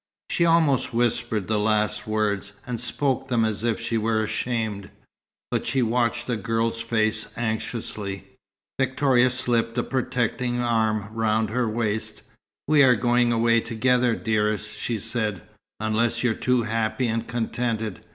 She almost whispered the last words, and spoke them as if she were ashamed. But she watched the girl's face anxiously. Victoria slipped a protecting arm round her waist. "We are going away together, dearest," she said. "Unless you're too happy and contented.